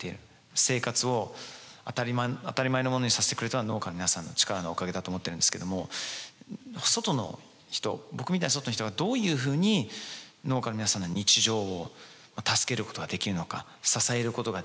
生活を当たり前のものにさせてくれているのは農家の皆さんの力のおかげだと思ってるんですけども外の人僕みたいに外の人がどういうふうに農家の皆さんの日常を助けることができるのか支えることができるのか。